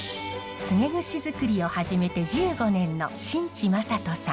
つげ櫛づくりを始めて１５年の新地真人さん。